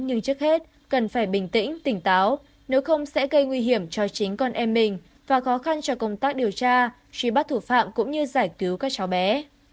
nhưng trước hết cần phải bình tĩnh tỉnh táo nếu không sẽ gây nguy hiểm cho chính con em mình và khó khăn cho công tác điều tra truy bắt thủ phạm cũng như giải cứu các cháu bé